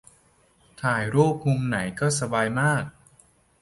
ถ่ายรูปมุมไหนสบายมาก